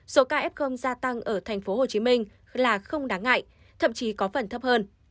số ca f gia tăng ở tp hcm là không đáng ngại thậm chí có phần thấp hơn